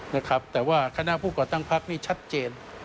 นะครับแต่ว่าคณะผู้ก่อตั้งพักนี่ชัดเจน